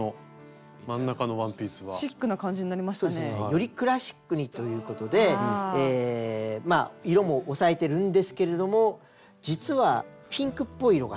よりクラシックにということで色も抑えてるんですけれども実はピンクっぽい色が入っているんですよ。